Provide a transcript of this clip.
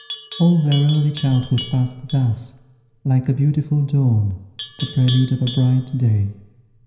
All their early childhood passed thus, like a beautiful dawn, the prelude of a bright day.